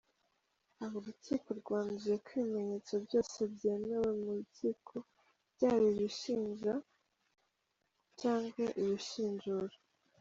Aha urukiko rwanzuye ko ibimenyetso byose byemewe mu rukiko, byaba ibishinja cyangwa ibishinjura.